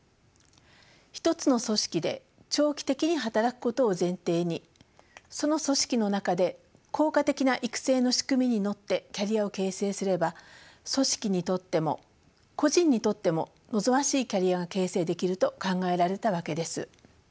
１つの組織で長期的に働くことを前提にその組織の中で効果的な育成の仕組みに乗ってキャリアを形成すれば組織にとっても個人にとっても望ましいキャリアが形成できると考えられたわけです。